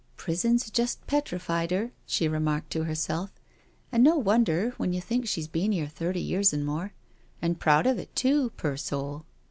" Prison's just petrified her/' she remarked to her self; "and no wonder when you think she's been here thirty years an' more— an' proud of it too, poor soul."